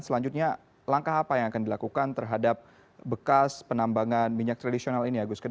selanjutnya langkah apa yang akan dilakukan terhadap bekas penambangan minyak tradisional ini agus